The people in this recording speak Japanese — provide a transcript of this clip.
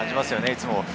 いつも。